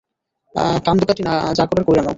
কান্দােকাটি যা করার কইরা নেও।